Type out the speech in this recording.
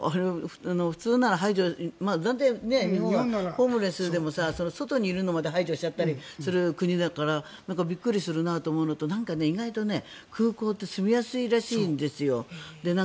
普通なら排除日本はホームレスでも外にいるのまで排除しちゃったりする国だからびっくりするなと思うのと意外と空港って住みやすいらしいんですよ。